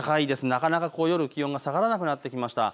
なかなか夜、気温が下がらなくなってきました。